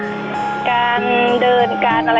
สวัสดีครับ